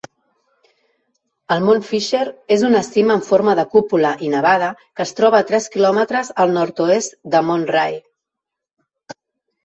El Mont Fisher és una cima amb forma de cúpula i nevada que es troba a tres quilòmetres al nord-oest del Mont Ray.